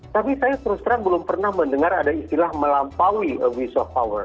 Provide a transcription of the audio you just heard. tapi saya terus terang belum pernah mendengar ada istilah melampaui abuse of power